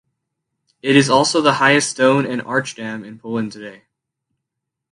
It is also the highest stone and arch dam in Poland today.